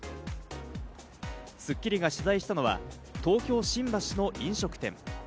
『スッキリ』が取材したのは東京・新橋の飲食店。